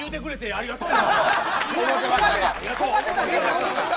ありがとう。